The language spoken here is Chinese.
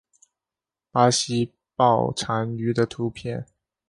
巴西豹蟾鱼的图片